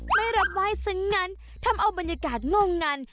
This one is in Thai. ไม่รับไหว้ซะงั้นทำเอาบรรยากาศงงัน